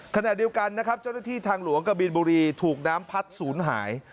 ขณะเดียวกันนะครับเจ้าหน้าที่ทางหลวงกะบินบุรีถูกน้ำพัดศูนย์หาย